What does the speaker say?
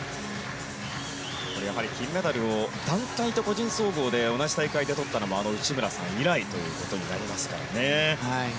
金メダルを団体と個人総合で同じ大会でとったのも内村さん以来となりますからね。